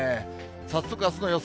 早速、あすの予想